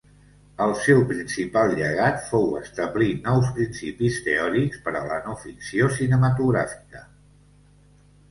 El seu principal llegat fou establir nous principis teòrics per a la no-ficció cinematogràfica.